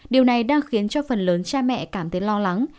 điều này đang khiến cho phần lớn cha mẹ cảm thấy lo lắng